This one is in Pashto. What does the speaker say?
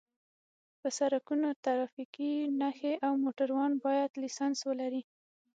په سرکونو ټرافیکي نښې او موټروان باید لېسنس ولري